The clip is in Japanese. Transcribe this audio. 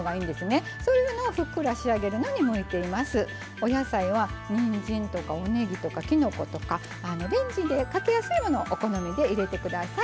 お野菜はにんじんとかおねぎとかきのことかレンジでかけやすいものをお好みで入れて下さい。